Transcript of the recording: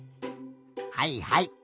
はいはい。